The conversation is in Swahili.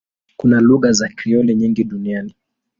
Kuna lugha za Krioli nyingi duniani.